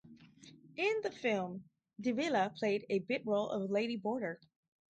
In the film, De Villa played a bit role of a lady boarder.